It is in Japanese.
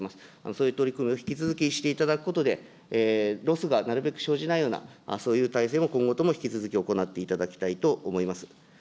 そういう取り組みを引き続きしていただくことで、ロスがなるべく生じないような、そういう体制も今後とも引き続き行っていただきたいと思います。